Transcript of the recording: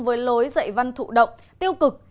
với lối dạy văn thụ động tiêu cực